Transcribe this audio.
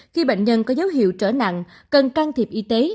khi bệnh nhân có dấu hiệu trở nặng cần can thiệp y tế